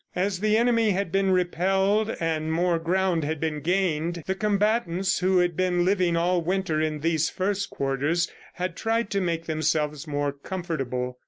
As the enemy had been repelled and more ground had been gained, the combatants who had been living all winter in these first quarters, had tried to make themselves more comfortable.